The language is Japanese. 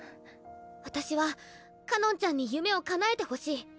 私はかのんちゃんに夢を叶えてほしい。